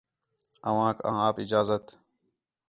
اوانک آں آپ اجازت